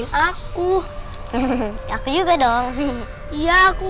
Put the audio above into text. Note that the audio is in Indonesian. sudah dan adam belum